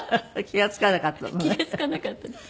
気が付かなかったです。